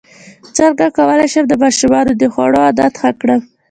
څنګه کولی شم د ماشومانو د خوړو عادت ښه کړم